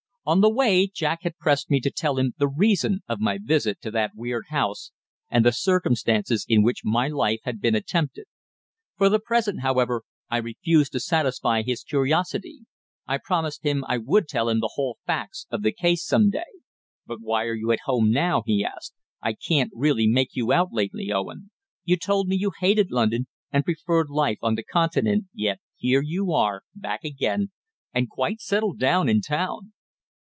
On the way Jack had pressed me to tell him the reason of my visit to that weird house and the circumstances in which my life had been attempted. For the present, however, I refused to satisfy his curiosity. I promised him I would tell him the whole facts of the case some day. "But why are you at home now?" he asked. "I can't really make you out lately, Owen. You told me you hated London, and preferred life on the Continent, yet here you are, back again, and quite settled down in town!"